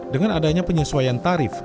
dengan adanya penyesuaian tarif